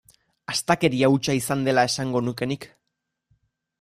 Astakeria hutsa izan dela esango nuke nik.